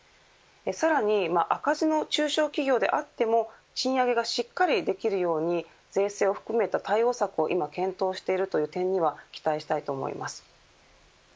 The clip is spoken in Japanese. さらに赤字の中小企業であっても賃上げがしっかりできるように税制を含めた対応策を今、検討しているという点には期待したいと思います。